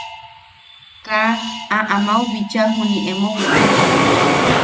Kaa a amau bicha juniʼi emo wike.